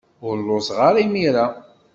Ur lluẓeɣ ara imir-a.